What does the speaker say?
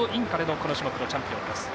この種目のチャンピオン。